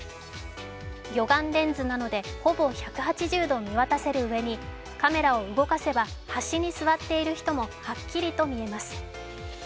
魚眼レンズなのでほぼ１８０度見渡せるうえにカメラを動かせば端に座っている人もはっきりと見えます。